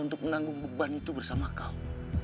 untuk menanggung beban itu bersama kau